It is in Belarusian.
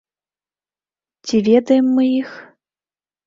Ці ведаем мы іх?